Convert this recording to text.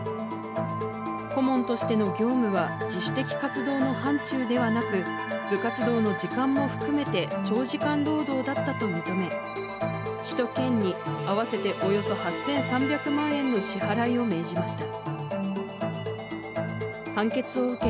顧問としての業務は自主的活動の範ちゅうではなく部活動の時間も含めて長時間労働だったと認め、市と県に合わせておよそ８３００万円の支払いを命じました。